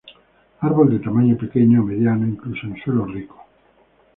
Árbol de tamaño pequeño a mediano, incluso en suelos ricos.